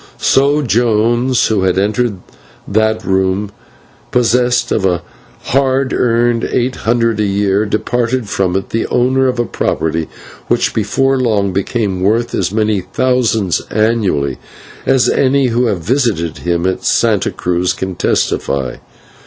So Jones, who had entered that room possessed of a hard earned eight hundred a year, departed from it the owner of a property which, before long, became worth as many thousands annually, as any who have visited him at Santa Cruz can testify.